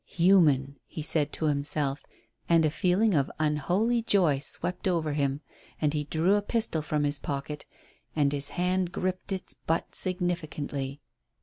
"Human!" he said to himself, and a feeling of unholy joy swept over him, and he drew a pistol from his pocket and his hand gripped its butt significantly.